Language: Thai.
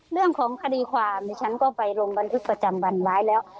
เรื่องของคดีความดิฉันก็ไปลงบันทึกประจำวันไว้แล้ว